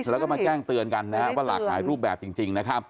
แล้วก็มาแกล้งเตือนกันว่าหลักหายรูปแบบจริงนะครับ